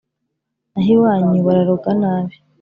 Naho iwanyu bararoga nabi